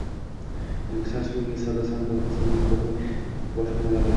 "O‘zbekiston Respublikasi Savdo-sanoat palatasi va uning hududiy boshqarmalari